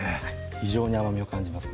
非常に甘みを感じますね